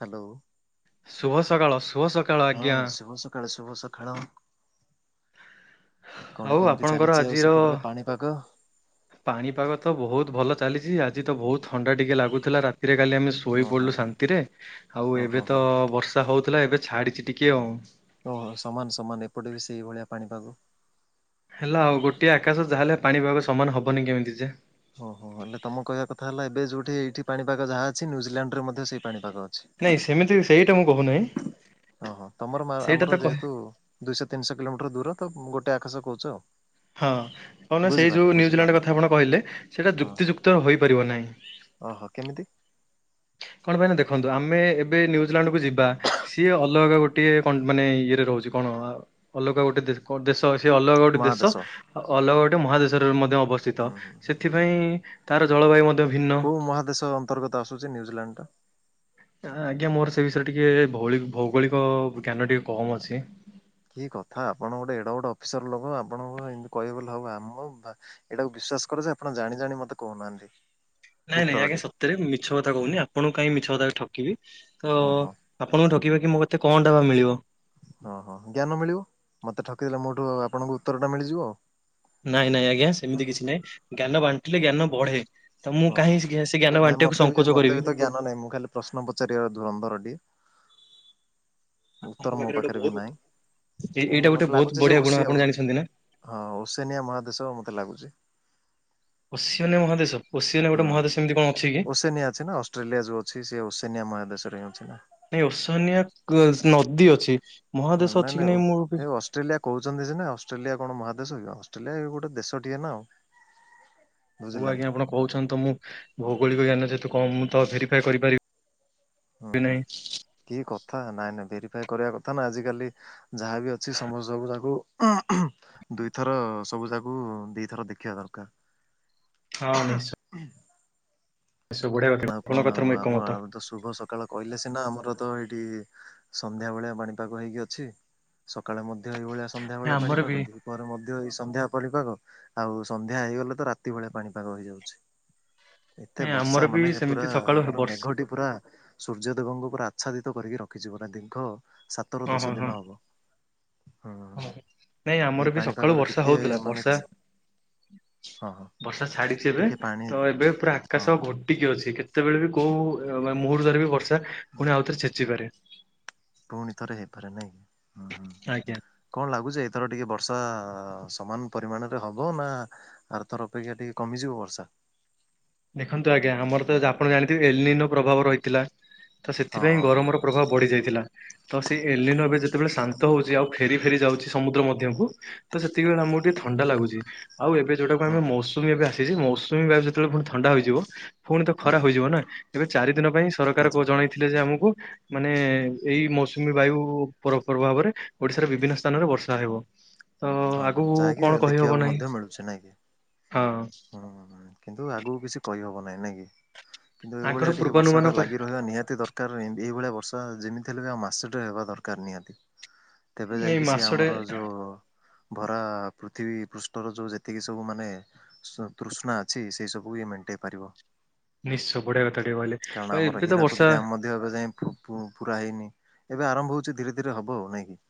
Hello. ଶୁଭ ସକାଳ ଶୁଭ ସ ହଁ ଶୁଭ ସକାଳ ଶୁଭ ସକାଳ। ଆଉ କଣ କେମିତି ଆପଣଙ୍କର ଚାଲିଚି ଆଉ ଆଜିର ସେପଟରେ ପାଣିପାଗ ପାଣିପାଗ ତ ବହୁତ ଭଲ ଚାଲିଛି ଆଜି ତ ବହୁତ ଥଣ୍ଡା ଟିକେ ଲାଗୁଥିଲା ରାତିରେ କାଲି ଆମେ ଶୋଇ ଓ ହଁ ପଡ଼ିଲୁ ହଁ ଶାନ୍ତିରେ ଆଉ ଓହୋ ଏବେ ହୋ ତ ବର୍ଷା ହଉଥିଲା ଏବେ ଛାଡ଼ିଛି ଟିକେ ଆଉ ଓହୋ ସମାନ ସମାନ ଏପଟେ ବି ସେଇଭଳିଆ ପାଣିପାଗ। ହେଲା ଆଉ ଗୋଟିଏ ଆକାଶ ଯାହା ହେଲେ ପାଣିପଭାଗ ସମାନ ହେବନି କେମିତି ଯେ ଓହୋ ହେଲେ ତମ କହିବା କଥା ହେଲା ଏବେ ଯୋଉଠି ଏଇଠି ପାଣିପାଗ ଯାହା ଅଛି ନ୍ୟୁଜିଲାଣ୍ଡ ରେ ମଧ୍ୟ ସେଇ ପାଣିପାଗ ଅଛି ଏ ସେମିତି ସେଇଟା ମୁଁ କହୁନାହିଁ ଓହୋ ତମର ମା ସେଇଟା ଆମର ତ କହେ ଯେହେତୁ ଦୁଇଶହ ତିନିହ କୋମିଟର ଦୂର ତ ଗୋଟେ ଆକାଶ କହୁୁଚ଼ ଆଉ ହଁ କଣନା ସେଇ ବୁଝିପାରିଲି ଯେଉଁ ନ୍ୟୁଜିଲାଣ୍ଡ ବୁଝିପାରିଲି କଥା ଆପଣ କହିଲେ ସେଇଟା ହଁ ଯୁକ୍ତିଯୁକ୍ତ ହୋଇପାରିବ ନାହିଁ। ଓହୋ କେମିତି କଣ ପାଇଁ ନା ଦେଖନ୍ତୁ ଆମେ ଏବେ ନ୍ୟୁଜିଲାଣ୍ଡକୁ ଯିବା ସିଏ ଅଲଗା ଗୋଟେ ମାନେ ଇଏରେ ରହୁଚି କଣ ଅଲଗା ଗୋଟେ ଦେ ସେ ଅଲଗା ଗୋଟେ ଦେଶ ମହାଦେଶ ଅଲଗା ଗୋଟେ ମହାଦେଶରେ ମଧ୍ୟ ଅବସ୍ଥିତ। ହୁଁ ହୁଁ। ଉିତ ସେଥିପାଇଁ ତାର ଜଳବାୟୁ ମଧ୍ୟ ଭିନ୍ନ। ମହାଦେଶଙ୍କୁ ଅନ୍ତର୍ଗତ ଆସଛି ନିୟଜଲ୍ୟାଣ୍ଡର ତ ଆଜ୍ଞା ମୋର ସେ ବିଷୟରେ ଟିକେ ଭୌଇ ଭୌଗୋଳିକ ଜ୍ଞାନ ଟିକେ କମ୍ ଅଛି। କିଏ କଥା ଆପଣ ଗୋଟେ ଏଡ ଗୋଟେ ଅଫିସର ଲୋକ ଆପଣଙ୍କୁ ଏମତି କହିବେଲେ ହବ ଆମ ବା ଏଇଟାକୁ ବିଶ୍ଵା କର ଯେ ଆପଣ ଜାଣି ଜାଣି ମତେ କହୁନାହାନ୍ତି। ନାଇଁ ନାଇଁ ଆଜ୍ଞା ଉତ୍ତରଟି ସତରେ ମିଛ କଥା କହୁନି ଆପଣଙ୍କୁ କାହିଁ ମିଛ କଥା ଠକିବି ତ ଓହୋ ଆପଣଙ୍କୁ ଠକିବା କି ମୋତେ କଣ ଟା ବା ମିଳିବ। ଓଁ ହଁ ଜ୍ଞାନ ମିଳିବ ମତେ ଠକିଦେଲେ ମୋଠୁ ଆପଣଙ୍କୁ ଉତ୍ତର ଟା ମିଳିଯିବ ଆଉ ନାଇଁ ନାଇଁ ଆଜ୍ଞା ସେମିତି କିଛି ନାଇଁ ଜ୍ଞାନ ବାଣ୍ଟିଲେ ଜ୍ଞାନ ବଢେ। ତ ମୁଁ ହଁ ହଁ କାହିଁ ସେ ଜ୍ଞାନ ନାଇଁ ବାଣ୍ଟିବାକୁ ମତେ ବି ସଂଙ୍କୋଚ ମତେ ବି କରିବି। ତ ଜ୍ଞାନ ନାଇଁ ମୁଁ ଖାଲି ପ୍ରଶ୍ନ ପଚାରିବାର ଧୁ। ରନ୍ଦରଟିଏ ଆପଣଙ୍କ ଉତ୍ତର ମୋ ଗୋଟେ ପାଖରେ ବି ବହୁତ ଏ ନାହିଁ ଏଇଟା ଗୋଟେ ମତେ ବହୁତ ଲାଗୁଛି ଯେ ବଢିଆ ଓ ଗୁଣ ଆପଣ ଆଉ। ଜାଣିଛନ୍ତି ନା? ହଁ ଓସେନିଆ ମହାଦେଶ ମତେ ଲାଗୁଛି। ଓଶସିଆନ ମହାଦେଶ ଓଶସିଆ ନ ହୁଁ ଗୋେ ମହାଦେଶ ଏମିତି କଣ ଅଛି କି? ଓସେନିଆ ଅଛି ନା। ଅଷ୍ଟ୍ରେଲିଆ ଯଉ ଅଛି ସେ ଓସେନିଆ ମହାଦେଶରେ ହି ଅଛି ନା। ନାଇଁ ଅଶନଆ ନଦୀ ଅଛି ମହାଦେଶ ଅଛି କି ନାଇଁ ମୋର ବି ଅଷ୍ଟ୍ରେଲିଆ କହୁଛନ୍ତି ଯେ ନା ଅଷ୍ଟ୍ରେଲିଆ କଣ ମହାଦେଶ କି ଅଷ୍ଟ୍ରେଲିଆ ଗୋଟ ଦେଶଟିଏ ନା ଆଉ। [unintelligible] ହୁ ବୁଝିଲେ ନା ଆଜ୍ଞାପଣ କହୁଛନ୍ତି ତ ମୁଁ ଭୌଗୋଳିକ ଜ୍ଞାନ ଯେତୁ କଣ ମୁ ତ ଭେରିଫା କରିପାରିବି। ହୁଁ ହୁଁ ନାହିଁ କି କଥା ନାଇଁ ନାଇଁ ଭେରିଫାଇ କରିବା କଥା ନା ଆଜିିକାଲି ଯାହାବି ଅଛି ସମସ୍ତ ସବୁ ତାକୁ ଦୁଇଥର ସବୁ ଯାକୁ ଦିଥର ଦେଖିବା ଦରକାର। ହଁ ନିଶ୍ଚୟ। ହୁଁ। ନିଶ୍ଚୟ ବଢିଆ କଥା ଆଉ ଆପଣଙ୍କ କଣ କଥାରେ ଆଉ ମୁଁ ଆମ ଏକମତ। ଶୁଭ ସକାଳ କହିଲେ ସିନା ଆମର ତ ଏଇଠି ସନ୍ଧ୍ୟା ଭଳିଆ ପାଣିପାଗ ହେଇକି ଅଛି। ସକାଳେ ମଧ୍ୟ ଏଇଭଳିଆ ନାଇଁ ସନ୍ଧ୍ୟାବେଳେ ଆମର ପାଣି ବି ପାଗ ଦିି ପରେ ମଧ୍ୟ ଏଇ ସନ୍ଧ୍ୟା ପାଣିପାଗ ଆଉ ସନ୍ଧ୍ୟା ହେଇଗଲେ ତ ରାତି ଭଳିଆ ପାଣିପାଗ ହେଇଯାଉଛି। [inaudible] ଏତେ ଆମର ବର୍ଷା ବି ମାନେ ପୁରା ସେମିତି ସକାଳୁ ଆମର ବର୍ଷା ମେଘଟି ପୁରା। ସୂର୍ଯ୍ୟଦେବଙ୍କ ଉପରେ ଆଚ୍ଛାଦିତ କରିକି ରଖିଯିବ ନା ଦୀର୍ଘ ସାତରୁ ଦଶ ଦିନ ହେବ। ହ ନାଇଁ ଆମର ବି ସକାଳୁ ପାଣିପାଗରେ ବର୍ଷା ଟିକେ ହଉଥିଲା ମାନେ ବର୍ଷା ହଁ ହଁ ବର୍ଷା ଛାଡିଛି ଏବେ ଟିକେ ପାଣି ତ ଏବେ ପୁରା ହଁ ଆକାଶ ଘୋଟିକି ଅଛି କେ ସେତେବେଳେ ବି କୋଉ ମୁହୂର୍ତ୍ତରେ ବି ବର୍ଷା ପୁଣି ଆଉଥରେ ଛେଚିପାରେ। ପୁଣି ଥରେ ହେଇପାରେ ନାଇଁ ହୁଁ ହୁଁ। ଆଜ୍ଞା। କଣ ଲାଗୁଛି ଏଥର ଟିକେ ବର୍ଷା ସମାନ ପରିମାଣରେ ହବ ନା ଆର ତର ଅପେକ୍ଷା ଟିକେ କମିଯିବ ବର୍ଷା। ଦେଖନ୍ତୁ ଆଜ୍ଞା ଆମର ତ ଆପଣ ଜାଣିଥିବେ ଏଲନ ର ପ୍ରଭାବ ରହିଥିଲା ତ ହଁ ସେଥିପାଇଁ ହଁ ଗରମର ପ୍ରଭାବ ବଢ଼ିଯାଇଥିଲା। ତ ସେ ଏଲିଆନେ ଏବେ ଯେତେବେଳେ ଶାନ୍ତ ହଉଛି ଆଉ ଫେରି ଫେରି ଯାଉଛି ସମୁଦ୍ର ମଧ୍ୟକୁ ତ ସେତିକିବେଳେ ଆମକୁ ଟିକେ ଥଣ୍ଡା ଲାଗୁଛି। ଆଉ ଏବେ ଯୋଉଟାକୁ ହଁ ଆମେ ହୁଁ ମୌସୁମି ଏବେ ଆସିଛି ମୌସୁମି ଯେତେବେଳେ ପୁଣି ଥଣ୍ଡାହେଇଯିବ। ପୁଣି ତ ହୁଁ ହୁଁ ଖରାପ ହୁଁ ହେଇଯିବ ନା ଏବେ ଚାରି ଦିନ ପାଇଁ ସରକାର ଆଚ୍ଛା ଜଣେଇଥିଲେ ଯେ ଆମକୁ ମାନେ ଏଇ ମୌସୁମୀ ବାୟୁ ପ୍ରଭାବରେ ଓଡିଶାର ବିଭିନ୍ନ ସ୍ଥାନରେ ବର୍ଷା ହେବ। ତ ହଁ ହଁ ଆଗକୁ ଯାହାକି କଣ ଦେଖିବାକୁ କହିହବ ମଧ୍ୟ ନାହିଁ ମିଳୁଛି ନାଇଁ କି ହଁ। ହୁଁ କିନ୍ତୁ ଆଗକୁ କିଛି କହିହେବ ନାହିଁ ନାହିଁ କିନ୍ତୁ ଆଙ୍କର ଏଇଭଳିଆ ଟିକେ ପୂର୍ବାନୁମାନ ବର୍ଷାଟା କରି ଲାଗି ରହିବା ନିହାତି ଦର ର ଏଇଭଳିଆ ବର୍ଷା ଯେମିତି ହେଲେ ବି ଆଉ ମାସେଟେ ରେ ହେବା ଦରକାର ନିହାତି। ତେବେ ଏଇ ଯାଇକି ସିଏ ମାସଟେ ଆମର ଯଉ ଭରା ପୃଥିବୀ ପୃଷ୍ଠର ଯୋଉ ଯେତିକି ସବୁ ମାନେ ତୃଷ୍ଣା ଅଛି ସେଇ ସବୁ ଇଏ ମେଣ୍ଟେଇ ପାରିବ। ନିଶ୍ଚ ବୁଢ଼ା କଥା ଟିବ ଆହେ ବି ତ ବର୍ଷ ବେ ଯାଇ ପୁରା ହେଇନି ଏବେ ଆରମ୍ଭ ହଉଛି ଧୀରେ ଧୀରେ ହବ ଆଉ ନାଇଁକି।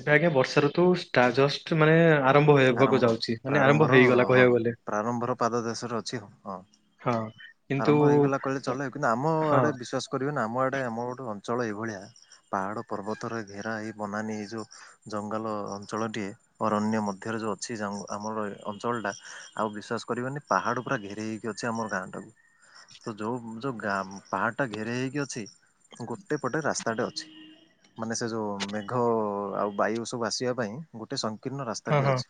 ଏବେ ଆଜ୍ଞା ବର୍ଷା ଋତୁ ଷ୍ଟାର୍ଟ ଜଷ୍ଟ୍ ମାନେ ଆରମ୍ଭ ହେବାକୁ ଆରମ୍ଭ ଯାଉଛି ମାନେ ଆରମ୍ଭ ପ୍ରାରମ୍ଭର ହେଇଗଲା ହଁ କହିବାକୁ ଗଲେ ପ୍ରାରମ୍ଭର ପାଦ ଦେଶରେ ଅଛି ହଁ ହଁ। ହଁ କିନ୍ତୁ ଆରମ୍ଭ ହେଇଗଲା କହିଲେ ଚଲେ କିନ୍ତୁ ଆମ ହଁ ଆଡେ ବିଶ୍ଵାସ କରିବେ ନା ଆମ ଏଟେ ଆମର ପଟେ ଅଞ୍ଚଳ ଏଇଭଳିଆ ପାହାଡ ପର୍ବତରେ ଘେରା ଏଇ ବନାନୀ ଏଇ ଯୋଉ ଜଙ୍ଗଲ ଅଞ୍ଚଳଟି ଅରଣ୍ୟ ମଧ୍ୟ ଏଥିରେ ଯୋଉ ଅଛି ଆମର ଅଞ୍ଚଳଟା ଆଉ ବିଶ୍ଵାସ କରିବନି ପାହାଡ ପୁରା ଘେର ହେଇକି ଅଛି ଆମର ଗାଁ ଟାକୁ। ତ ଯୋଉ ଯୋଉ ଗାଁ ପାହାଡ ଟା ଘେରେଇ ହେଇକି ଅଛି ଗୋଟେ ପଟେ ରାସ୍ତାଟେ ଅଛି। ମାନେ ସେ ଯୋଉ ମେଘ ଆଉ ବାୟୁ ସବୁ ଆସିବା ପାଇଁ ଗୋଟେ ସଂକୀର୍ଣ୍ଣ ରାସ୍ ହଁ ତାଠି ହଁ ଅଛି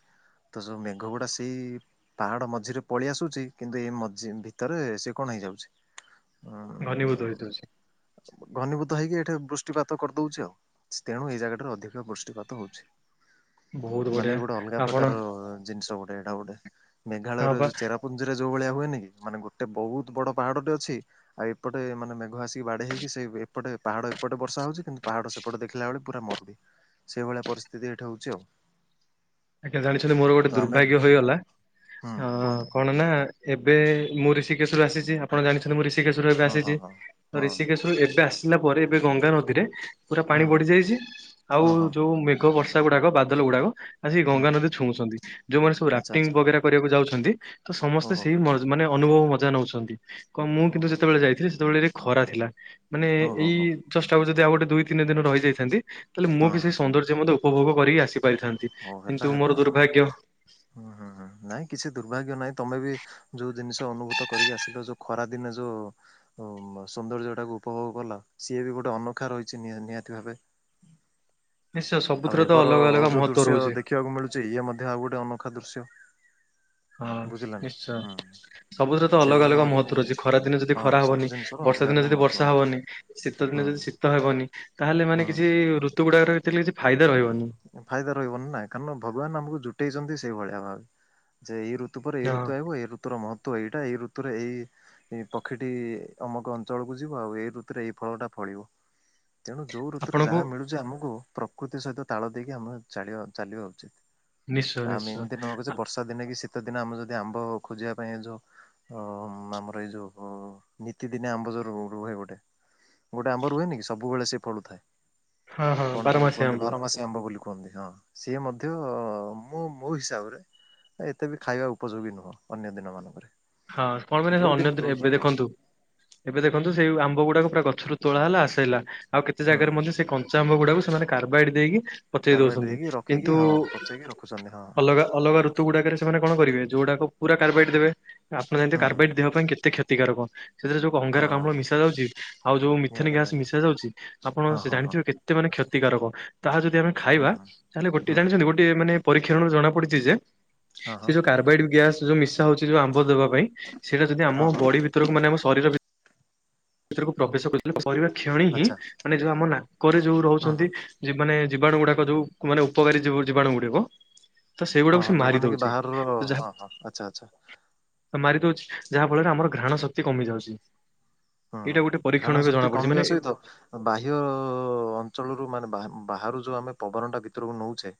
ତ ଯୋଉ ମେଘ ଗୁଡ଼ା ସେଇ ପାହାଡ ମଝିରେ ପଳେଇ ଆସୁଛି କିନ୍ତୁ ଏ ମଝି ଭିତରେ ସେ କଣ ହେଇଯାଉଛି ଉଁ ଘନୀଭୂତ ହେଇ ଥାଉଚି। ଘନୀଭୂତ ହେଇକି ଏଠି ବୃଷ୍ଟିପାତ କରିଦଉଛି ଆଉ। ସ୍ତେଣୁ ଏହି ଜାଗାଟାରେ ଅଧିକ ବୃଷ୍ଟିପାତ ହୋଉଚି। ବହୁତ ବଢିଆ ମାନେ ଗୋଟେ ଅଲଗା ଆପଣ ପ୍ରକାରର ଜିନିଷ ଗୋଟେ ଏଟା ଗୋଟେ। ମେଘାଳୟ ହଁ ର ବା ଯୋଉ ଚେରାପୁଞ୍ଜିର ଯୋଉ ଭଳିଆ ହୁଏନି କି ମାନେ ଗୋଟେ ବହୁତ ବଡ଼ ପାହାଡ଼ଟେ ଅଛି ଆଉ ଏପଟ ମାନେ ମେଘ ଆସିକି ବାଡେଇ ହେଇକି ସେ ଏପଟେ ପାହାଡ ଏପଟେ ବର୍ଷା ହଉଛି କିନ୍ତୁ ପାହାଡ ସେ ଏପଟ ଦେଖିଲା ବେଳୁ ପୁରା ମରୁଡ଼ି ସେହିଭଳିଆ ପରିସ୍ଥିତି ଏଇଠି ହଉଛି ଆଉ। ଆଜ୍ଞା ଜାଣିଛନ୍ତି ମୋର ଗୋଟେ ତ ଆମେ ଦୁର୍ଭାଗ୍ୟ ହେଇଗଲା ହୁଁ ଉଁ କୁହନ୍ତୁ କଣ ନା ଏବେ ମୁଁ ଋଷିକେଶ ରୁ ଆସିଛି ଆପଣ ଜାଣିଛନ୍ତି ମୁଁ ଋଷିକେଶ ରୁ ଏବେ ହଁ ହଁ ଆସିଛି। ହଁ। ତ ହଁ ଋଷିକେଶରୁ ଏବେ ଆସିଲା ପରେ ଏବେ ଗଙ୍ଗା ନଦୀରେ ପୁରା ପାଣି ହୁଁ ହୁଁ ବଢି ଯାଇଛି ଆଉ ହଁ ହଁ ଯୋଉ ମେଘ ବର୍ଷା ଗୁଡାକ ବାଦଲ ଗୁଡାକ ଆସିକି ହୁଁ ହୁଁ ଗଙ୍ଗାନଦୀ ଛୁଉଁଛନ୍ତି ଯୋଉମାନେ ସବୁ ଆଚ୍ଛା ରାଫ୍ଟିଙ୍ଗ ଆଚ୍ଛା ବଗେରା କରିବାକୁ ଯାଉଛନ୍ତି ତ ସମସ୍ତେ ଓହୋ ସେଇ ମ ମାନେ ଅନୁଭବ ମଜା ନଉଛନ୍ତି କଂ ମୁଁ କିନ୍ତୁ ଓହୋ ଯେତେବେଳେ ଯାଇଥିଲି ସେତେବେଳେ ରେ ଖରା ଥିଲା। ମାନେ ଓହୋ ଏଇ ହୋ ଜଷ୍ଟ ଆଉ ଗୋଟେ ଦୁଇ ତିନି ଦିନ ରହିଯାଇଥାନ୍ତି ତାହେଲେ ମୁଁ ହଁ ବି ହଁ ସେଇ ସୌନ୍ଦର୍ଯ୍ୟ ମଧ୍ୟ ଉପଭୋଗ କରିକି ଆସିପାରିଥାନ୍ତି। ନାଁ ନାଁ ହୁଁ ହୁଁ ନାଇଁ କିଛି ଦୁର୍ଭାଗ୍ୟ ନାଇଁ ତମେ ବି ଯୋଉ ଜିନିଷ ଅନୁଭୂତ କରିକି ଆସିଲ ଯୋଉ ଖରାଦିନେ ଯୋଉ ଓ ସୌନ୍ଦର୍ଯ୍ୟ ଟାକୁ ଉପଭୋଗ କଲ ସିଏ ବି ଗୋଟେ ଅନଖା ରହିଛି ନି-ନିହାତି ଭାବେ ନିଶ୍ଚୟ ସବୁଥିରେ ତ ଅଲ ହଁ ଅ ଯୋଉ ଦୃଶ୍ୟ ଦେଖିବାକୁ ମିଳୁଛି ଇଏ ମଧ୍ୟ ଆଉ ଗୋଟେ ଅନୋଖା ଦୃଶ୍ୟ। ହଁ ବୁଝିଲ ନା। ହୁଁ ନିଶ୍ଚୟ ସବୁଥିରେ ତ ଅଲଗା ସେଇଭଳିଆ ଅଲଗା ଭାବେ ମହତ୍ଵ ରହୁଛି ଖରା ଦିନ ଯଦି ହଁ ଖରା ହବନି ସବୁ ଜିନିଷର ବର୍ଷା ଅଲଗା ଦିନେ ଅଲଗା ଯଦି ମହତ୍ଵ ବର୍ଷା ଅଛି। ହବନି ଶୀତ ହୁଁ ଦିନେ ଯଦି ଶୀତ ତ ହେବନି ତାହେଲେ ମାନେ କିଛି ହୁଁ। ଋତୁ ଗୁଡାକରେ ଯେତଳେ କିଛି ଫାଇଦା ରହିବନି। ଫାଇଦା ରହିବନି ନା କାରଣ ଭଗବାନ ଆମକୁ ଜୁଟେଇଛନ୍ତି ସେଇଭଳିଆ ଭାବେ। ଯେ ଏଇ ଋତୁ ପରେ ଏଇ ହଁ ଋତୁ ଆଇବ ଏଇ ଋତୁର ମହତ୍ଵ ଏଇଟା ଏଇ ଋତୁରେ ଏଇ ଏ ପକ୍ଷୀଟି ଅମକ ଅଞ୍ଚଳକୁ ଯିବ ଆଉ ଏଇ ଋତୁରେ ଏଇ ଫଳଟା ଫଳିବ। ତେଣୁ ଯଉ ଋତୁରେ ଯାହା ଆପଣଙ୍କୁ ମିଳୁଛି ଆମକୁ ପ୍ରକୃତି ସହିତ ତାଳ ଦେଇକି ଆମେ ଚାଲିବା ଚାଲିବା ନିଶ୍ଚୟ ଉଚିତ। ଆମେ ନିଶ୍ଚୟ ଏମିତି ନୁହ କି ଯେ ବର୍ଷା ଦିନେ କି ଶୀତ ଦିନ ଆମେ ଯଦି ଆମ୍ବ ଖୋଜିବା ପାଇଁ ଯୋଉ। ଓ ଆମର ଏଇ ଯୋଉ ନିତିଦିନି ଆମ୍ବ ଯଉ ରୁ ରୁହେ ଗୋଟେ। ଗୋଟେ ଆମ୍ୱ ରୁହେନ କି ସୁବୁ ବେଳେ ସେ ଫଳୁଥାଏ। ହଁ ହଁ ବାର ମାସି ଆମ୍ୱ। ମାସି ଆମ୍ବ ବୋଲି କୁହନ୍ତି ହଁ ସିଏ ମଧ୍ୟ ମ ମୋ ହିସାବରେ। ଏତେ ବି ଖାଇବା ଉପଯୋଗୀ ନୁହଁ ଅନ୍ୟ ଦିନ ମାନଙ୍କରେ। ହଁ ପାଇଁ ନା ଯୋଉ ଅନ୍ୟ ଦିନ ଦିନେ ଦଉଛ ଏବେ ନା ଦେଖନ୍ତୁ। ଏବେ ଦେଖନ୍ତୁ ସେଇ ଆମ୍ବ ଗୁଡାକୁ ପୁରା ଗଛରୁ ତୋଳା ହେଲା ଆସେଇଲା। କେତେ ହୁଁ ଜାଗାରେ ମଧ୍ୟ ସେ କଞ୍ଚା ଆମ୍ବ ଗୁଡାକୁ ସେମାନେ କର୍ବାଇଟ ଦେଇକି। ପଚେଇ କାରବାର ଦଉଛନ୍ତି ଦେଇକି ରଖିକି କିନ୍ତୁ ହଁ ପଚେଇକି ରଖୁଛନ୍ତି ହଁ ଅଲଗା ଅଲଗା ରୁ ଋତୁ ଗୁଡାକରେ ସେମାନେ କଣ କରିବେ ଯୋଉଟା କୁ ପୁରା କାର୍ବାଇଟ ଦେବେ ଆପଣ ଜାଣିଥିବେ ହୁଁ ହୁଁ କାର୍ବାଇଟ ଦେହ ପାଇଁ କେତେ କ୍ଷତିକାରକ। ସେଥିରେ ଯୋଉ ଅଙ୍ଗାରକାମ୍ଲ ହଁ ମିଶା ଯାଉଛି ଆଉ ଯୋଉ ମିଥେନ୍ ନିହାତି ଗ୍ୟାସ୍ସ ନିହାତି ମିଶା ଯାଉଛି ଆପଣ ହଁ ସେ ହଁ ହଁ ଜାଣିଥିବେ କେ ମାନେ କ୍ଷତିକାରକ ତାହା ଯଦି ଆମେ ହୁଁ ଖାଇବା ହୁଁ ତାହେଲେ ଗୋଟେ ହୁଁ ହୁଁ ଜାଣିଛନ୍ତି ଗୋ ମାନେ ପରୀକ୍ଷଣରୁ ଜଣା ପଡିଛି ଯେ ହଁ ସେ ହଁ ଯୋଉ କାର୍ବାଇଡ ଗ୍ୟାସ ଯୋଉ ମିଶା ହଉଛି ଯୋଉ ଆମ୍ବ ଦବା ପାଇଁ। ସେଇଟା ଯଦି ହଁ ଆମ ହଁ ବଡି ଭିତରକୁ ମାନେ ଆମ ଶରୀର ଭି ଭିତରକୁ ପ୍ରବେଶ [unintelligible] କରିବା କ୍ଷଣି ହିଁ ଆଚ୍ଛା ମାନେ ଯୋଉ ଆମ ନାକରେ ଯୋଉ ହଁ ହଁ ରହୁଛନ୍ତି। ମାନେ ଜୀବାଣୁ ଗୁଡାକ ଯୋଉ ମାନେ ଉପକାରୀ ଜୀବାଣୁ ଗୁଡିକ। ତ ହଁ ସେଇଗୁଡାକୁ ସେ ହଁ ମାରି ଯୋଉମାନେ କି ଦଉଛି ବାହାରର ତ ହଁ ଯାହା ହଁ ଆଚ୍ଛା ଆଚ୍ଛା ମାରି ଦଉଛି ଯାହା ଫଳରେ ଆମର ଘ୍ରାଣ ଶକ୍ତି କମି ଯାଉଛି। ହଁ ହଁ ଏଇଟା ଗୋଟେ ପରୀକ୍ଷଣ ଘ୍ରାଣ ଏବେ ଜଣା ଶକ୍ତି ପଡିଛି କମିବା ମାନେ ସହିତ। ବାହ୍ୟ ଅଞ୍ଚଳରୁ ମାନେ ବାହାରୁ ଯୋଉ ଆମେ ପବନଟା ଭିତରକୁ ନେଉଛେ।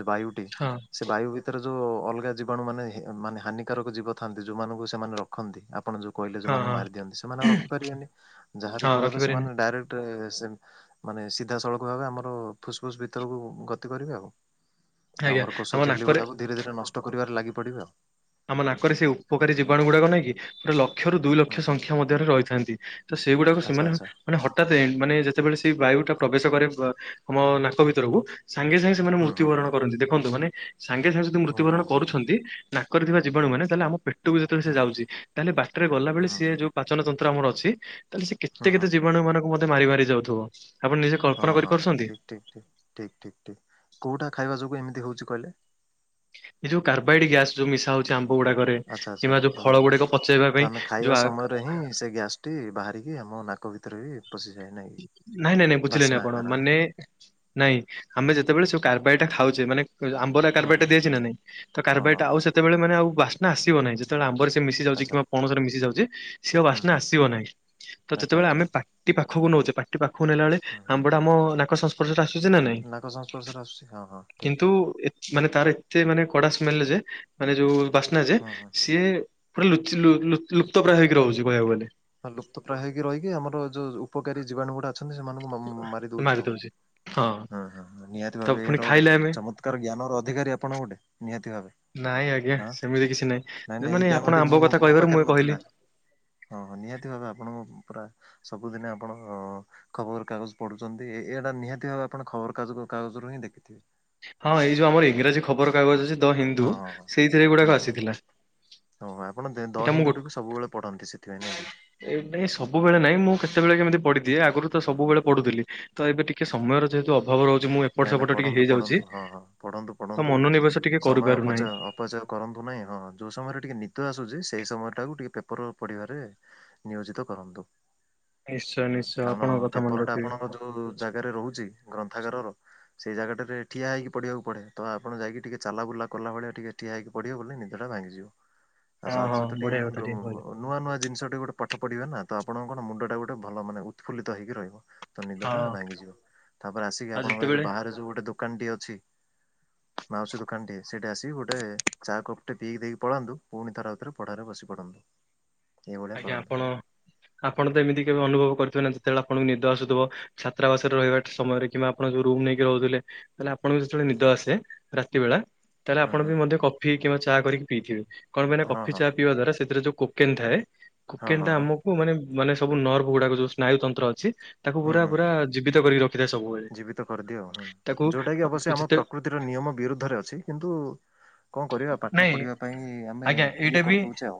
ଜ ବାୟୁ ହଁ। ସେ ବାୟୁ ଭିତରେ ଯୋଉ ଅଲଗା ଜୀବାଣୁ ମାନେ ମାନେ ହାନିକାରକ ଜୀବ ଥାଆନ୍ତି ଯୋଉମାନଙ୍କୁ ସେମାନେ ରଖନ୍ତି ଆପଣ ଯୋଉ କହିଲେ ଯୋଉ ହଁ [unintelligible] ଙ୍କୁ ହଁ ମାରି ଦିଅନ୍ତି ସେମାନେ ଆଉ ରଖିପାରିବେନି ଯାହାବି ହଁ ଫଳରେ ରଖିପାରିନି ସେମାନେ ଡାଇରେକ୍ଟ ସେ ମାନେ ସିଧାସଳଖ ଭାବେ ଆମର ଫୁସ୍ ଫୁସ୍ ଭିତରକୁ ଗତି କରିବେ ଆଉ। ଆଜ୍ଞା ଆମର କୋଷ ଆମ ଝିଲ୍ଲି ନାକରେ ଗୁଡାକୁ ଧୀରେ ଧୀରେ ନଷ୍ଟ କରିବାରେ ଲାଗି ପଡିବେ ଆଉ। ଆମ ନାକରେ ସେ ଉପକାରୀ ଜୀବାଣୁ ଗୁଡ଼ାକ ନାଇଁ କି ପୁରା ଲକ୍ଷ ରୁ ଦୁଇ ହୁଁ ଲକ୍ଷ ହୁଁ ସଂଖ୍ୟା ମଧ୍ୟରେ ରହିଥାନ୍ତି। ତ ସେଇଗୁଡାକ ଆଚ୍ଛା ସେମାନେ ଆଚ୍ଛା ମାନେ ହଠାତେ ମାନେ ଯେତେବେଳେ ସେ ବାୟୁ ଟା ପ୍ରବେଶ କରେ ଆମ ନାକ ଭିତରକୁ ସାଙ୍ଗେ ସାଙ୍ଗେ ସେମାନେ ହୁଁ ହୁଁ ମୃତ୍ୟୁବରଣ ହୁଁ କରନ୍ତି ଦେଖନ୍ତୁ ମାନେ ସାଙ୍ଗେ ସାଙ୍ଗେ ଯଦି ମୃତ୍ୟୁବରଣ ହଉ ହଉ ହଉ କରୁଛନ୍ତି। କରିଥିବା ଜୀବାଣୁ ମାନେ ତାହେଲେ ଆମ ପେଟକୁ ଯେତେବେଳେ ସେ ହୁଁ ଯାଉଛି। ତାହେଲେ ବାଟରେ ଗଲାବେଳେ ହୁଁ ସିଏ ଯୋଉ ପାଚନ ତନ୍ତ୍ର ଆମର ଅଛି ତାହେଲେ ସେ କେତେ ହୁଁ ହୁଁ କେତେ ଜୀବାଣୁ ମାନଙ୍କୁ ମ ମାରି ମାରି ଯାଉଥିବ। ଆପଣ ନିଜେ ହଁ କଳ୍ପନା ହଁ ହଁ କରିପାରୁଛନ୍ତି? ଠିକ୍ ଠିକ୍ ଠିକ୍ ଠିକ୍ ଠିକ୍ ଠିକ୍ କଉଟା ଖାଇବା ଯୋଗୁଁ ଏମିତି ହଉଛି କହିଲେ? ଏ ଯଉ କାର୍ବାଇଡ୍ ଗ୍ୟାସ୍ ଯୋଉ ମିଶା ହଉଛି ଆମ୍ବ ଗୁଡାକରେ ଆଚ୍ଛା ଆଚ୍ଛା କିମ୍ବା ଯୋଉ ହଉ ହଉ। ଫଳ ଗୁଡାକ ପଚେଇବା ତ ପାଇଁ ଆମେ ଖାଇବା ଯୋଉ ସମୟରେ ସେ ଗ୍ୟାସ ବାହାରିକି ଆମ ନାକ ଭିତରେ ବି ପଶଯାଏ ନାଇଁ। କି? ନାହିଁ ନାହିଁ ନାହିଁ ବୁଝିଲେନି ବାସ୍ନା ଆପଣ ଆକାରରେ ମାନେ। ନାଇଁ ଆମେ ଯେତେବେଳେ ସବୁ କାରବାଇଟ ଖାଉଛେ ମାନେ ଆ [unintelligible] ହୁଁ କାର୍ବାଇଡ ଟା ହୁଁ ଦେଇଛି ନା ନାଇଁ ତ ହଁ କାର୍ବାଇଡ ହଁ ଆଉ ହଁ ସେତେବେଳେ ମାନେ ଆଉ ବାସ୍ନା ଆସିବ ନାହିଁ ଯେ ଯେତେବେଳେ ଆମ୍ବରେ ସେ ମିଶି ଯାଉଛି ଆଚ୍ଛା କିମ୍ବା ପଣସରେ ମିଶି ଯାଉଛି ସେ ହୁଁ ବାସ୍ନା ହୁଁ ଆସିବ ନାହିଁ ତ ଆଚ୍ଛା ଯେତେବେଳେ ଆଚ୍ଛା। ଆମେ ପା ପାଖକୁ ନଉଛେ ପାଟି ପାଖକୁ ନେଲା ବେଳେ ହୁଁ ହୁଁ ଆମ୍ବ ଟା ଆମ ନାକ ଶ ଆସୁଛି ନା ନାଇଁ ନାକ ସଂସ୍ପର୍ଶରେ ଆସୁଛି ହଁ ହଁ ଠିକ୍ କିନ୍ତୁ ଠିକ୍ ଏ ମାନେ ତାର ଏତେ ମାନେ କଡା ସ୍ମେଲ ଯେ ମାନେ ଯୋଉ ବାସ୍ନା ଯେ ହୁଁ ହୁଁ। ସିଏ ପୁରା ଲୁଚି ଲୁ ଲୁପ୍ତ ପ୍ରାୟ ହେଇକି ରହୁଛି କହିବାକୁ ଗଲେ। ହଁ ଲୁପ୍ତ ପ୍ର୍ରାୟ ହେଇକି ରହିକି ଆମର ଯୋଉ ଉପକାରୀ ଜୀବାଣୁ ଗୁଡା ଅଛନ୍ତି ସେମାନଙ୍କୁ ମ ମାରି ଦଉଛି ଆଉ। ହଁ ହଁ ନିହାତି ତ ଭାବେ ଏଇଟା ପୁଣି ଗୋଟେ ଖାଇଲେ ଆମେ ଚମତ୍କାର ଜ୍ଞାନ ର ଅଧିକାରୀ ଆପଣଙ୍କ ଗୋଟେ ନିହାତି ଭାବେ। ନାଇଁ ଆଜ୍ଞା ହଁ ସେମିତି କିଛି ନାଇଁ ନାହିଁ ନାଇଁ ଏଇ ମାନେ ଆପଣ ଜ୍ଞାନଟି ଆମ୍ବ ମୁଁ କଥା ମୋ କହିବାରୁ ମୁଁ ପାଖରେ କହିଲି ନଥିଲା। ହଁ ହଁ ନିହାତି ଭାବେ ଆପଣଙ୍କ ପୁରା ସବୁଦିନେ ଆପଣ ଖବର କାଗଜ ପଢୁଛନ୍ତି, ଏଇଟା ନିହାତି ଭାବେ ଆପଣ ଖବର କାଗ କାଗଜରୁ ହିଁ ଦେଖିଥିବେ। ହଁ ଏଇ ଯୋଉ ଆମର ଇଂରାଜୀ ଖବରକାଗଜ ଅଛି ଦ ହିନ୍ଦୁ ହଁ ହଁ ହଁ। ସେଇଥିରେ ହୁଁ ଗୁଡାକ ଆସିଥିଲା। ହଁ ଆପଣ ଦ ଏଇଟା ମୁଁ ଗୋ ହିନ୍ଦୁଟିକୁ ସବୁବେଳେ ପଢନ୍ତି ସେଥିପାଇଁ ନାଁ କି। ଏ ନାଇଁ ସବୁବେଳେ ନାଇଁ ମୁଁ କେତେବେଳେ କେମିତି ପଢିଦିଏ, ଆଗରୁ ତ ହୁଁ ହୁଁ ସବୁବେଳେ ହୁଁ। ପଢୁଥିଲି ତ ଏବେ ଟିକେ ସମୟର ଯେହେତୁ ଅ ଭାବ ରହୁଛି, ମୁଁ ଏପଟ ନାଇଁ ନାଇଁ ସେପଟ ଟିକେ ପଢନ୍ତୁ ହେଇଯାଉଛି ପଢନ୍ତୁ ହଁ ହଁ ପଢନ୍ତୁ ତ ପଢନ୍ତୁ। ମନୋନିବେଶ ଟିକେ ସମୟ ଅପଚୟ କରିପାରୁନାହିଁ। ଅପଚୟ କରନ୍ତୁ ନାହିଁ, ହଁ ଯୋଉ ସମୟରେ ଟିକେ ନିଦ ଆସୁଛି ସେଇ ସମୟ ଟାକୁ ଟିକେ ପେପର ପଢିବାରେ ନିୟୋଜିତ କରନ୍ତୁ, ନିଶ୍ଚୟ ନିଶ୍ଚୟ କାରଣ ଆପଣଙ୍କ କଥା ମନେ ପେପର ଟା ରଖିବି ଆପଣଙ୍କ ଉ ଜାଗାରେ ରହୁଛି ଗ୍ରନ୍ଥାଗାରର ସେଇ ଜାଗାଟାରେ ଠିଆ ହେଇକି ପଢିବାକୁ ପଡେ, ତ ଆପଣ ଯାଇକି ଟିକେ ଚାଲା ବୁଲାକଲା ଭଳିଆ ଟିକେ ଠିଆ ହେଇକି ପଢିବେ ବୋଲିଲେ ନିଦଟା ଭାଙ୍ଗିିଯିବ। ହଁ ହଁ ବଢିଆ କଥା ଟିକେ କହିଲେ [unintelligible] ନୂଆ ନୂଆ ଜିନିଷ ଟେ ଗୋଟେ ପାଠ ପଢିବେ ନା ତ ଆପଣଙ୍କ କଣ ମୁଣ୍ଡ ଟା ଗୋଟେ ଭଲ ମାନ ଉତ୍ଫୁଲିତ ହେଇକି ରହିବ। ତ ନିଦ ହଁ ଟା ଭାଙ୍ଗିଯିବ, ତାପରେ ଆସିକି ଆଉ ଆପଣଙ୍କ ଏ ଯୋଉ ଯେତେବେଳେ ବାହାରେ ଯୋଉ ଗୋଟେ ଦୋକାନ ଟି ଅଛି। ମାଉସୀ ଦୋକାନଟି ସେଇଠି ଆସିକି ଗୋଟେ ଚା କପ୍ଟେ ପିଇି ଦେଇକି ପଳାନ୍ତୁ ପୁଣି ଥର ଆଉଥରେ ପଢାରେ ବସି ପଢ଼ନ୍ତୁ। ଆଜ୍ଞା ଆପଣ, ଆପଣ ତ ଏମିତି କେବେ ଅନୁଭବ କରଥିବେ ନା ଯେତେବେଳେ ଆପଣଙ୍କୁ ନିଦ ଆସୁଥିବ ଛାତ୍ରାବାସରେ ରହିବା ସମୟରେ କିମ୍ବା ଆପଣ ଯୋଉ ରୁମ ନେଇକି ରହୁଥିଲେ ତାଲେ ଆପଣଙ୍କୁ ଯେତେବେଳେ ନିଦ ଆସେ ରାତି ବେଳା ତାହେଲେ ହୁଁ ଆପଣ ହୁଁ ବି ମଧ୍ୟ କଫି କିମ୍ବା ଚା କରିକି ପିଇଥିବେ, କଣ ପାଇଁ ନା ହଁ କଫି ହଁ ଚା ପିଇବା ଦ୍ୱାରା ସେଥିରେ ଯୋଉ କୋକେନ୍ ଥାଏ ହଁ କୁକେନ୍ ହଁ ଟା ହଁ ଆମକୁ ମାନେ ମାନେ ସବୁ ନର୍ଭ ଗୁଡାକ ଯୋଉ ସ୍ନାୟୁ ତନ୍ତ୍ର ଅଛି ତାକୁ ହୁଁ ହୁଁ ପୁରା ହୁଁ। ପୁରା ଜୀବିତ କରିକି ରଖିଥାଏ ସବୁବେଳେ। ଜୀବିତ କରିଦିଏ ଆଉ ହୁଁ ତାକୁ ଯୋଉଟା କି ଅବଶ୍ୟ ଆମ ଯେତେ ପ୍ରକୃତିର ନିୟମ ବିରୁଦ୍ଧରେ ଅଛି କିନ୍ତୁ କଣ କରିବା ପାଠ ନାଇଁ ପଢ଼ିବା ପାଇଁ ଆମେ ଆଜ୍ଞା ଏଇଟା ଇଏ ବି କରିଦଉଛେ ଆଉ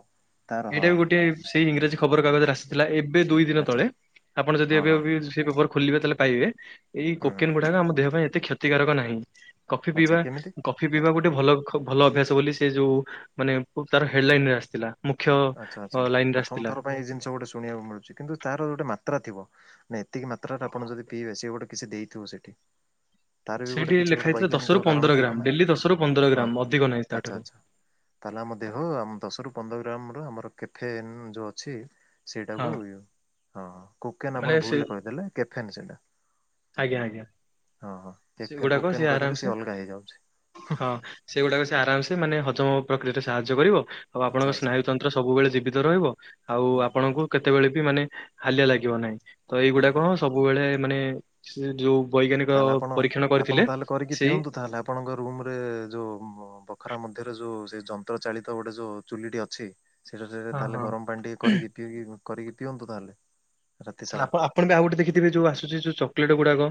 ତାର ହଁ। ଏଇଟା ବି ଗୋଟେ ସେଇ ଇଂରାଜୀ ଖବର କାଗଜରେ ଆସିଥିଲା ଏବେ ଦୁଇ ଦିନ ଆଚ୍ଛା ତଳେ ଆପଣ ଯଦି ହଁ ଏବେ ହଁ ବି ସେ ପେପର ଖୋଲିବେ ତାହେଲେ ପାଇବେ ଏଇ ହୁଁ ହୁଁ କୋକେନ୍ ଗୁଡାକ ଆମ ଦେହ ପାଇଁ ଏତେ କ୍ଷତିକାରକ ନାହିଁ। କଫି ଆଚ୍ଛା ପିଇବା କେମିତି କଫି ପିଇବା ଗୋଟେ ଭଲ ଭଲ ଅଭ୍ୟାସ ବୋଲି ସେ ଯୋଉ ମାନେ ତାର ହେଡଲାଇନ ରେ ଆସିଥିଲା। ମୁଖ୍ୟ ଆଛା, ଲାଇନ ରେ ପ୍ରଥମ ଆସିଥିଲା। ଥର ପାଇଁ ଏଇ ଜିନିଷ ଗୋଟେ ଶୁଣିବାକୁ ମିଳୁଛି କିନ୍ତୁ ତାର ଗୋଟେ ମାତ୍ରା ଥିବ। ନାଇଁ ଏତିକି ମାତ୍ରାରେ ଆପଣ ଯଦି ପିଇବେ ସେ ଗୋଟେ କିଛି ଦେଇଥିବ ସେଠି। ତାର ବି ଗୋଟେ ସେଇଠି କିଛି ଲେଖା ଗୋଟେ ହେଇଥିଲା ବୈଜ୍ଞାନିକ ଦଶରୁ କାରଣ ପନ୍ଦର ଗ୍ରାମ ଥିବ ନା, ଡେଲି ଦଶରୁ ପନ୍ଦର ହଁ ଗ୍ରାମ ହଁ ଅଧିକ ନାହିଁ ଆଚ୍ଛା ତାଠାରୁ। ଆଚ୍ଛା। ତାହେଲେ ଆମ ଦେହ ଆମ ଦଶରୁ ପନ୍ଦର ଗ୍ରାମ ର ଆମର କେଫେନ୍ ଯୋଉ ଅଛି ହଁ ସେଇଟାକୁ ହଁ କୁକେନ ମାନେ ଆପଣ ସେ ଭୁଲରେ କହିଦେଲେ, କେଫେନ୍ ସେଇଟା। ଆଜ୍ଞା ଆଜ୍ଞା ହଁ ହଁ କେ ସେଗୁଡାକ କୋକେନ୍ କହିଦେଲେ ଆରାମସେ ସେ ଅଲଗା ହେଇଯାଉଛି। ହଁ ସେଗୁଡାକ ସେ ଆରାମ ସେ ମାନେ ହଜମ ପ୍ରକ୍ରିୟାରେ ସାହାଯ୍ୟ କରିବ ଆଉ ଆଚ୍ଛା ଆପଣଙ୍କ ଆଚ୍ଛା ସ୍ନାୟୁତନ୍ତ୍ର ସବୁବେଳେ ଜୀବିତ ରହିବ, ଆଉ ହୁଁ ହୁଁ ଆପଣଙ୍କୁ କେତେବେଳେ ବି ମାନେ ହାଲିଆ ଲାଗିବ ନାହିଁ, ତ ହୁଁ ଏଇଗୁଡାକ ହୁଁ ହ ସବୁବେଳେ ମାନେ ସେ ଯୋଉ ବୈଜ୍ଞାନିକ ତାହେଲେ ଆପଣ ପରୀକ୍ଷଣ ଆପଣ କରିଥିଲେ ତାହେଲେ କରିକି ସେଇ ପିଅନ୍ତୁ ତାହେଲେ ଆପଣଙ୍କ ରୁମ ରେ ଯୋଉ ବଖରା ମଧ୍ୟରେ ଯୋଉ ସେ ଯନ୍ତ୍ର ଚାଳିତ ଗୋଟେ ଯୋଉ ଚୁଲିଟି ଅଛି ସେଇଟା ସେ ହଁ ତାହେଲେ ହଁ ଗରମ ପାଣି ଟିକେ କରିକି ପିଇକି କରିକି ପିଅନ୍ତୁ ତାହେଲେ। ରାତି ସାରା ଆପ ଆପଣ ବି ଆଉ ଗଟେ ଦେଖିଥିବେ ଯୋଉ ଆସୁ ଯୋଉ ଚକୋଲେଟ ଗୁଡାକ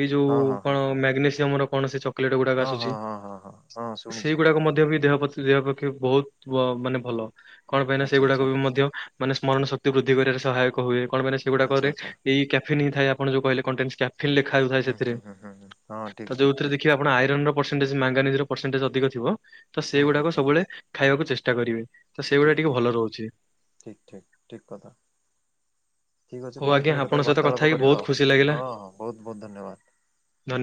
ଏଇ ଯୋଉ ହଁ ହଁ କଣ ହଁ ମ୍ୟାଗ୍ନେସିୟମ ର କଣ ସେ ଚ ଚକଲେଟ ଗୁଡାକ ହଁ ଆସୁଛି, ହଁ ହଁ ହଁ ହଁ ହଁ ଶୁଣିଛି ସେଇଗୁଡାକ ମଧ୍ୟ ବି ଦେହ ପ୍ର ଦେହ ପକ୍ଷେ ବହୁତ ମାନେ ଭଲ କଣ ପାଇଁନା ଆଚ୍ଛା ସେଗୁଡାକ ଆଚ୍ଛା ବି ମଧ୍ୟ ମାନେ ସ୍ମରଣ ଶକ୍ତି ବୃଦ୍ଧିି କରିବାରେ ସହାୟକ ହୁଏ, କଣ ପାଇଁ ନା ଆଚ୍ଛା ସେଗୁଡାକରେ ଆଚ୍ଛା ଏଇ କ୍ୟାଫେନ ହିଁ ଥାଏ, ଆପଣ ଯୋଉ କହିଲେ କଣ୍ଟେନ୍ ସ୍କା ଫିଲ ଲେଖା ହେଉଥାଏ ହୁଁ ସେଥିରେ। ହୁଁ ହୁଁ ହୁଁ ହୁଁ ହଁ ଠିକ୍ ତ ଠିକ୍ ଯୋଉଥିରେ ଠିକ୍ ଦେଖି କି ଆପଣ ଆଇରନର ପର୍ସେଣ୍ଟେଜ୍ ମାଙ୍ଗାନିଜର ପର୍ସେଣ୍ଟେଜ୍ ଅଧିକ ଥିବ। ତ ହୁଁ ହୁଁ ସେଗୁଡ଼ାକ ସବୁବେଳେ ଖାଇବାକୁ ଚେଷ୍ଟା କରିବେ। ତ ଠିକ ସେଇଗୁଡା ଟିକେ ଠିକ ଭଲ ଠିକ ରହୁଛି। ଠିକ ଠିକ ଠିକ କଥା। ଠିକ୍ ଅଛି ହଉ ଆଜ୍ଞା ପୁଣିଥରେ ଆପଣଙ୍କ କେତେବେଳେ ସହିତ କଥା ବାର୍ତ୍ତାଳାପ ହେଇକି ବହୁତ କରିବା ଆଉ। ଖୁସି ଲାଗିଲା ହଁ ହଁ ବହୁତ ବହୁତ ଧନ୍ୟବାଦ। ଧନ୍ୟ